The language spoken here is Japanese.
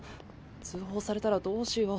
通報されたらどうしよう。